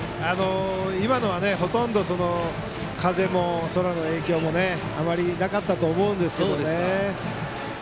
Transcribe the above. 今のは、ほとんど風も空の影響もあまりなかったと思うんですが。